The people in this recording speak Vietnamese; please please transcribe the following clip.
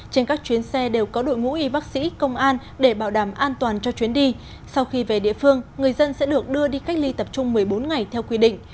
trên các chuyến xe đều có đội ngũ y bác sĩ công an để bảo đảm an toàn cho chuyến đi sau khi về địa phương người dân sẽ được đưa đi cách ly tập trung một mươi bốn ngày theo quy định